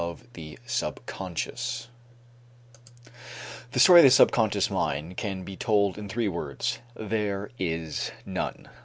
VI THE SUBCONSCIOUS The story of the subconscious mind can be told in three words: there is none.